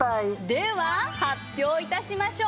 では発表致しましょう。